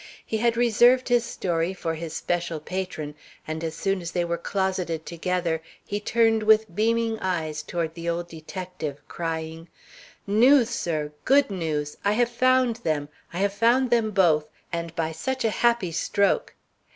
He had reserved his story for his special patron, and as soon as they were closeted together he turned with beaming eyes toward the old detective, crying: "News, sir; good news! I have found them; I have found them both, and by such a happy stroke!